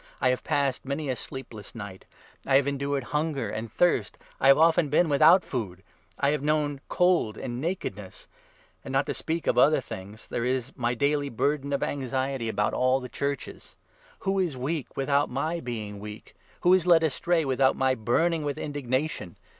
I have passed many a sleep less night ; I have endured hunger and thirst ; I have often been without food ; I have known cold and nakedness. And, 28 not to speak of other things, there is my daily burden of anxiety about all the Churches. Who is weak without my 29 being weak ? Who is led astray without my burning with indignation